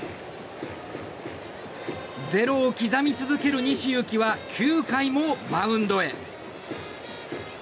０を刻み続ける西勇輝は９回もマウンドへ。